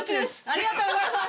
ありがとうございます。